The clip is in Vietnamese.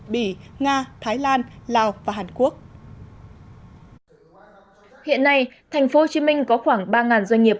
bỉ nga thái lan lào và hàn quốc hiện nay tp hcm có khoảng ba doanh nghiệp